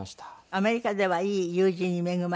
アメリカではいい友人に恵まれて。